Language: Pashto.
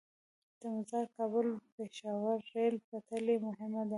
د مزار - کابل - پیښور ریل پټلۍ مهمه ده